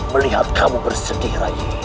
melihat kamu bersedih raya